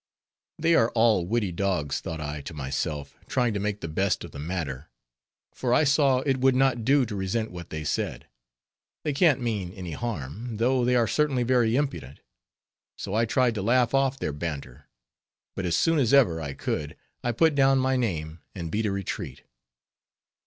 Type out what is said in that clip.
They are all witty dogs, thought I to myself, trying to make the best of the matter, for I saw it would not do to resent what they said; they can't mean any harm, though they are certainly very impudent; so I tried to laugh off their banter, but as soon as ever I could, I put down my name and beat a retreat.